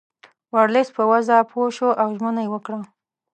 ورلسټ په وضع پوه شو او ژمنه یې وکړه.